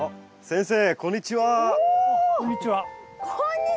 先生。